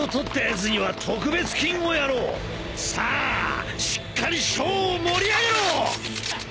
さあしっかりショーを盛り上げろ！